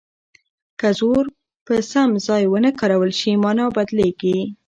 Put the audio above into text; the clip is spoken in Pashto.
که زور په سم ځای ونه کارول شي مانا بدلیږي.